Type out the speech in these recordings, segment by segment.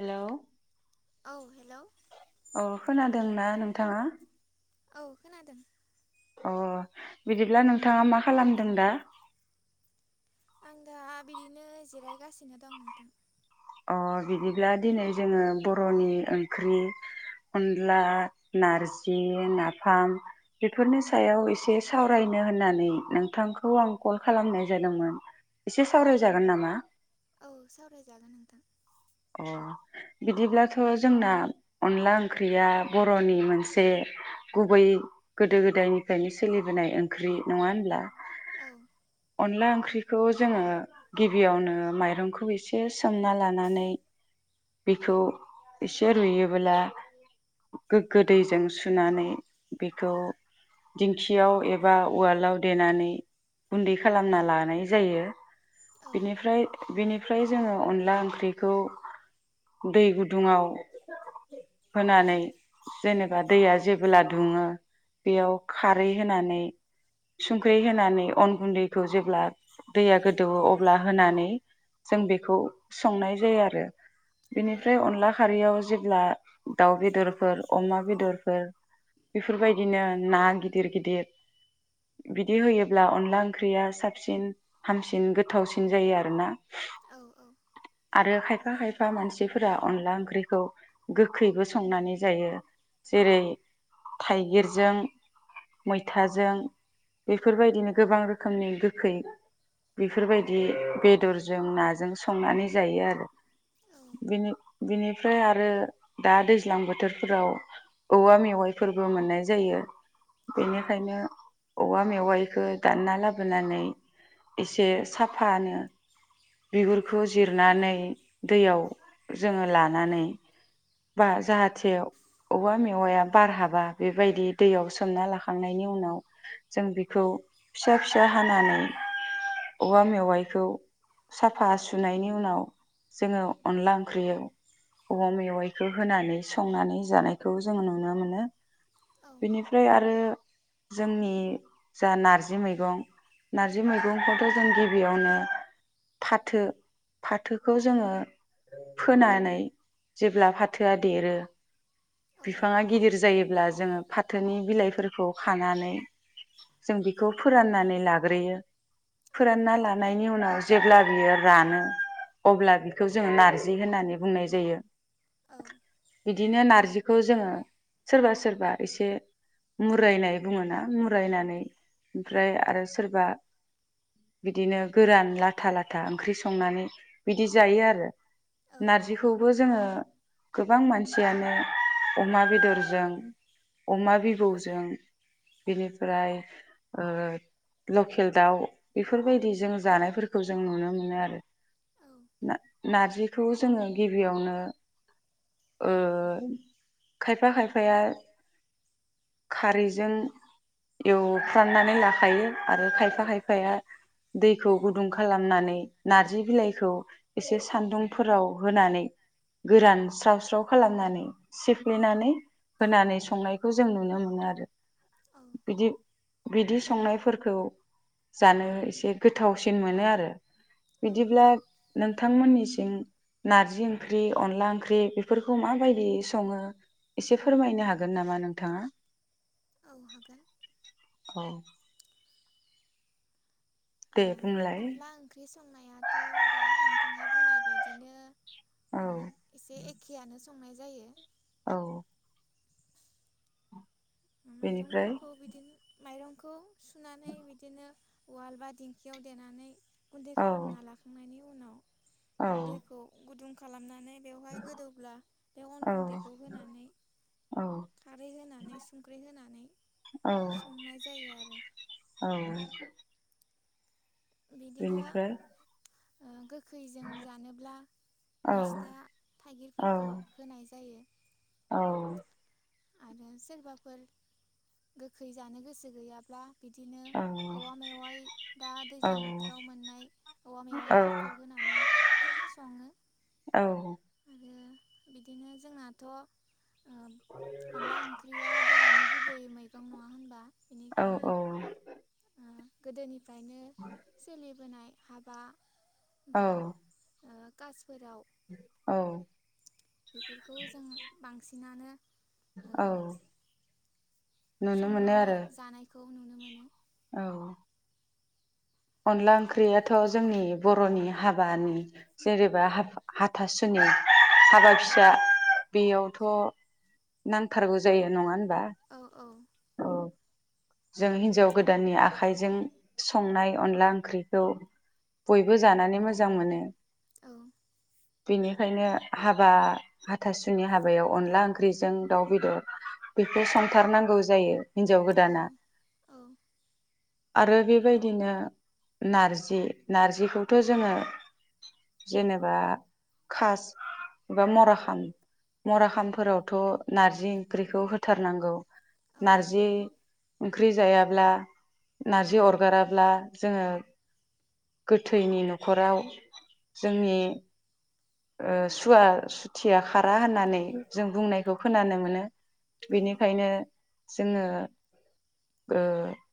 Hello औ hello अ खोनादोंना नोंथाङा औ खोनादों अ बिदिब्ला नोंथाङा मा खालामदों दा आं दा बिदिनो जिरायगासिनो दं नोंथां अ बिदिब्ला दिनै जोङो बरनि ओंख्रि अनला, नारजि, नाफाम बेफोरनि सायाव एसे सावरायनो होननानै नोंथांखौ आं कल खालामनाय जादोंमोन। एसे सावरायजागोन नामा? औ सावरायजा अ बिदिब्लाथ जोंना अनला ओंख्रिया बरनि मोनसे गुबै गोदो गोदायनिफ्रायनो सोलिबोनाय ओंख्रि। नङा होनब्ला? औ अनला ओंख्रिखौ जोङो गिबियावनो माइरंखौ एसे सोमना लानानै बेखौ एसे रुयोब्ला, गोग्गो दैजों सुनानै बेखौ दिंखियाव एबा उवालाव देनानै गुन्दै खालामना लानाय जायो। औ बिनिफ्राय बेनिफ्राय जोङो अनला ओंख्रिखौ दै गुदुङाव होनानै, जेनेबा दैया जेब्ला दुङो बेयाव खारै होनानै, संख्रै होनानै अन गुन्दैखौ जेब्ला दैया गोदौवो अब्ला होनानै जों बेखौ संनाय जायो आरो। औ बेनिफ्राय अनला खारैयाव जेब्ला दाउ बेदरफोर, अमा बेदरफोर बेफोरबायदिनो ना गिदिर गिदिर बिदि होयोब्ला अनला ओंख्रिया साबसिन हामसिन गोथावसिन जायो आरो ना। औ आरोखाय फा खायफा मानसिफोरा अनला ओंख्रिखौ गोखैबो संनानै जायो। जेरै थाइगिरजों मैथाजों बेफोरबायदिनो गोबां रोखोमनि गोखै बेफोरबायदि बेदरजों नाजों संनानै जायो आरो। औ बिनि-बिनिफ्राय आरो दा दैज्लां बोथोरफोराव औवा मेवाइफोरबो मोननाय जायो। औ बेनिखायनो औवा मेवाइखो दानना लाबोनानै एसे साफानो बिगुरखौ जिरनानै दैयाव जोङो लानानै, बा जाहाथेव औवा मेवाया बार हाबा बेबायदि दैयाव सोमना लाखांनायनि उनाव, जों बेखौ फिसा फिसा हानानै, औवा मेवाइखौ साफा सुनायनि उनाव जोङो अनला ओंख्रियाव अवा मेवाइखौ होनानै संनानै जानायखौ जोंङो नुनो मोनो। औ बेनिफ्राय आरो जोंनि जा नारजि मैगं नारजि मैगंखौथ जों गिबियावनो फाथो-फाथो खौ जोङो फोनानै जेब्ला फाथोआ देरो, बिफाङा गिदिर जायोब्ला जोङो फाथोनि बिलाइफोर खौ खानानै जों बेखौ फोराननानै लाग्रोयो। फोरानना लानायनि उनाव। जेब्ला बियो रानो अब्ला बिखौ जोङो नारजि होननानै बुंनाय जायो। बि दिनो नार्जिखौ जोङो, सोरबा सोरबा एसे मुरायनाय बुङो ना? मुरायनानै ओमफ्राय आरो सोरबा बिदिनो गोरान लाथा लाथा ओंख्रि संनानै बिदि जायो आरो। नारजिखौबो जोङो गोबां मानसियानो, अमा बेदरजों, अमा बिबौजों बेनिफ्राय ओ लकेल दाउ बेफोरबायदिजों जानायफोरखौ जों नुनो मोनो आरो। औ ना-नारजिखौ जोङो गिबियावनो, ओ खायफा खायफाया खारैजों एवफ्रामनानै लाखायो, आरो खायफा खायफाया दैखौ गुदुं खालामनानै नारजि बिलाइखौ एसे सान्दुंफोराव होनानै गोरान स्राव स्राव खालामनानै, सिफ्लेनानै होनानै संनायखौ जों नुनो मोनो आरो। औ बिदि-बिदि संनायफोरखौ जानो एसे गोथावसिन मोनो आरो। औ बिदिब्ला नोंथांमोननिसिम नारजि ओंख्रि अनला ओंख्रि बेफोरखौ माबायदियै सङो? एसे फोरमायनो हागोननामा नोंथाङा? औ हागोन। अ दे अनला ओंख्रि संनायाथ दा नोंथाङा बुंनाय बेबायदिनो। औ एसे एखेयानो। संनाय जायो औ बेनिफ्राय माइरंफोरखौ बिदिनो माइरंखौ सुनानै बिदिनो उवाल बा दिंखियाव देनानै गुन्दै औ खालामना लाखांनायनि उनाव औ दैखौ गुदुं खालामनानै बेवहाय गोदौब्ला बे अन औ गुन्दैखौ होनानै औ खारै होनानै संख्रि होनानै औ संनाय जायो आरो औ बिदिनो बेनिफ्राय ओ गो खैजों जानोब्ला औ मेस्था औ थाइगिरफोरखौ होनाय जायो औ आरो सोरबाफोर गोखै जानो गोसो गैयाब्ला बिदिनो औ औवा मेवाय दा औ दैज्लां बोथोराव मोननाय औवा औ मेवायफोरखौ होनानै सङो औ आरो बिदिनो जोंनाथ' ओ अनला ओंख्रिया बर'नि गुबै मैगं नङा होनबा औ बेनिखायनो ओ गोदोनि फ्रायनो सोलिबोनाय हाबा औ बा ओ खास औ बेफोरखौ जों बांसिनानो ओ औ नुनो मोनो संनानै आरो जानायखो औ अनला ओंख्रियाथ' जोंनि बर'नि हाबानि जेनेबा हाथासुनि हाबा फिसा बेयावथ' नांथारगौ जायो नङा होन औ औ औ जों हिनजाव गोदाननि आखाइजों संनाय अनला ओंख्रिखौ बयबो जानानै मोजां मोनो औ बेनिखायनो हाबा हाथासुनि हाबायाव अनला ओंख्रिजों दाउ बेदर बेखौ संथारनांगौ जायो। हिन्जाव औ गोदाना। औ आरो बेबायदिनो नारजि नारजिखौथ जोङो जेनेबा खास एबा मराखाम मराखामफोरावथ नार्जि ओंख्रिखौ होथारनांगौ औ नारजि ओंख्रि जायाब्ला नारजि अरगाराब्ला जोङो गोथैनि नखराव जोंनि ओह सुवा सुथिया खारा होननानै जों बुंनायखौ खोनानो मोनो। औ बिनिखायनो। जोङो ओ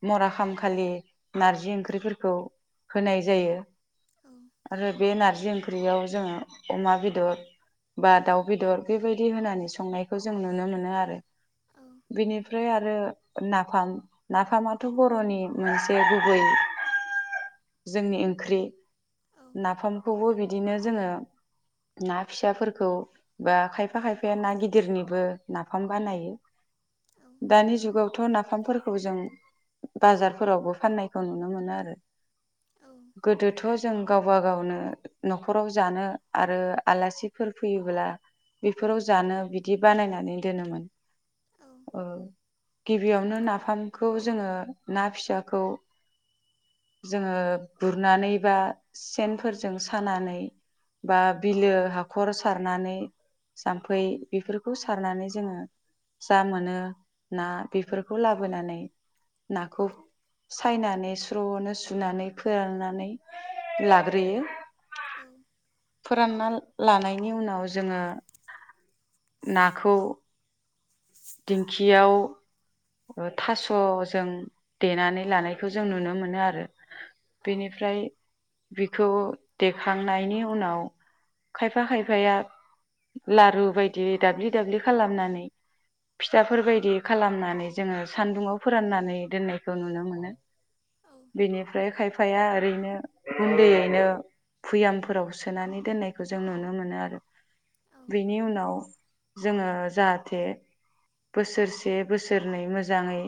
मराखामखालि नारजि ओंख्रिफोरखौ होनाय जायो औ आरो बे नारजि ओंख्रियाव जोङो। अमा बेदर बा दाउ बेदर बेबायदि होनानै संनायखौ जों नुनो मोनो आरो। औ बेनिफ्राय आर रो नाफाम नाफामाथ बरनि मोनसे गुबै जोंनि ओंख्रि। औ नाफामखौबो बिद बिदिनो जोङो ना फिसाफोरखौ बा खायफा खायफाया ना गिदिरनिबो नाफाम बानायो। औ दानि जुगाव। थ नाफामफोरखौ जों बाजारफोरावबो फाननायखौ नुनो मोनो आरो। गोदोथ जों गावबा गावनो नखराव जानो आरो आलासिफोर फैयोब्ला बेफोराव जानो बिदि बानायनानै दोनोमोन। औ। गिबियावनो नाफामखौ जोङो ना फिसाखौ जोङो गुरनानै बा सेनफोरजों सानानै बा बिलो हाखर सारनानै जाम्फै बेफोरखौ सारनानै जोङो जा मोनो ना बेफोरखौ लाबोनानै नाखौ सायनानै स्रनो सु नानै फोराननानै लाग्रोयो। फोरानना लानायनि उनाव जोङो नाखौ। दिंखियाव ओह थासजों देनानै लानायखौ जों नुनो मोनो आरो। बेनिफ्राय। बिखौ देखांनायनि उनाव खायफा खायफाया लारु बायदि दाब्लि दाब्लि खालामनानै फिथाफोर बायदि खालामनानै जोङो सान्दुंङाव फोराननानै दोननायखौ नुनो मोनो। बेनिफ्राय खायफा फाया ओरैनो गुन्दैयैनो भुयामफोराव सोनानै दोननायखौ जों नुनो मोनो आरो। औ बिनि उनाव। जोङो जाहाथे बोसोरसे बोसोर नै मोजाङै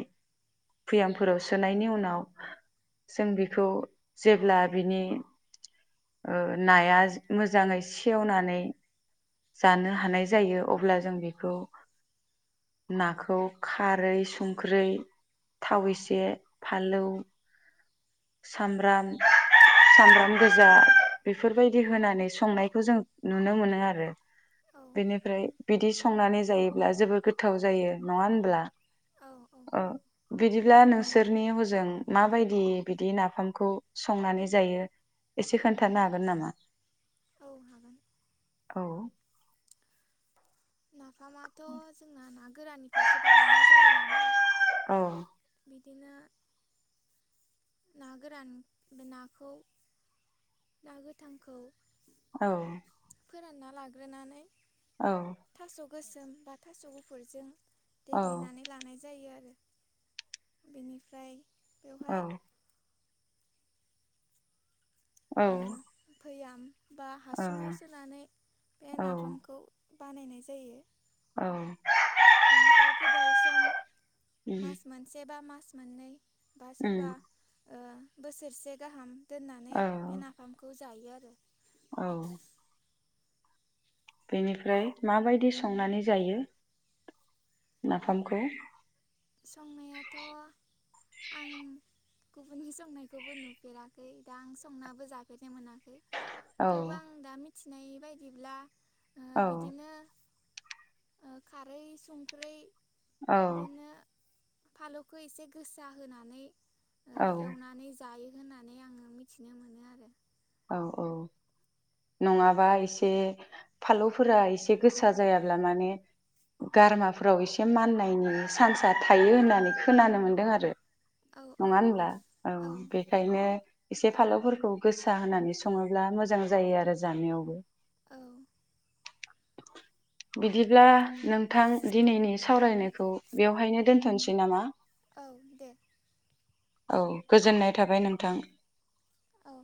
भोयामफोराव सोनायनि उनाव जों बेखौ जेब्ला बिनि ओ नाया मोजाङै सेवनानै जानो हानाय जायो अब्ला जों बेखौ नाखौ खा खारै संख्रै थाव एसे फाल्लौ। सामब्राम सामब्राम गोजा बेफोरबायदि होनानै संनायखौ जों नुनो मोनो आरो। बेनिफ्राय बिदि सु संनानै जायोब्ला जोबोर गोथाव जायो नङा होनब्ला। औ औ ओह बिदिब्ला नोंसोरनि हजों मा बायदि? बिदि नाफामखौ संनानै जायो एसे खोन्थानो हागोन नामा औ हागोन औ नाफामाथ जोंना ना गोराननिफ्रायसो बानायनाय जायो नालाय औ बि बिदिनो ना गोरान बे ना खौ ना गोथांखौ औ फोरानना लाग्रोनानै औ थास' गोसोम बा थास गुफुरजों औ देग्लिनानै लानाय जायो आरो रो बेनिफ्राय औ बेवहाय औ ओ भैयाम बा हासुुङाव सोनानै बे औ नाफामखौ बानायनाय जायो औ बेनिफ्राय गोबाव सम उम मास मोनसे बा मास मास मोननै बा सोरबा उम ओ बोसोरसे गाहाम दोननानै औ बे नाफामखौ जायो आरो औ बेनिफ्राय माबायदि संनानै जायो नाफामखौ संनायाथ आं गुबुननि संनायखौबो नुफेराखै दा आं संनाबो जाफेरनो मोनाखै औ थेवबो आं दा मि थिनाय बायदिब्ला ओ औ बिदिनो ओ खारै संख्रि औ बिदिनो फालौखौ एसे गोसा होनानै ओ औ एवनानै जायो होननानै आङो मिथिनो मोनो आरो औ औ नङाबा एसे फालौफोरा एसे गोसा जायाब्ला माने गारमाफोराव एसे माननायनि सान्सा थायो होननानै खोनानो मोनदों आरो औ औ नङा होनब्ला औ बेखायनो एसे फालौफोरखौ गोसा सा होनानै सङोब्ला मोजां जायो आरो जानायावबो। औ बिदिब्ला नोंथां दिनैनि सावरायनायखौ बेवहायनो दोनथ'नोसै नामा? औ दे। औ गोजोननाय थाबाय नोंथां। औ